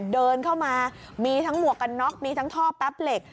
เดินเข้ามามีทั้งหมวกกันน็อกมีทั้งท่อแป๊บเหล็ก